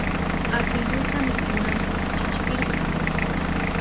Apiyuta mikunanpa chillpirka.